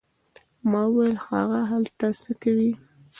ما وویل: هغه هلته څه کوي؟